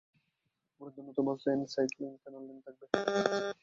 উপরন্তু, নতুন bus lane এবং সাইক্লিং লেন থাকবে।